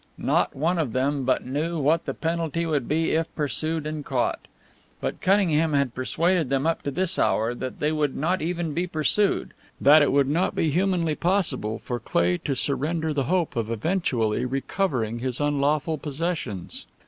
Not one of them but knew what the penalty would be if pursued and caught. But Cunningham had persuaded them up to this hour that they would not even be pursued; that it would not be humanly possible for Cleigh to surrender the hope of eventually recovering his unlawful possessions.